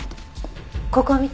ここを見て。